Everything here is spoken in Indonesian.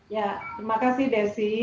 ya terima kasih desi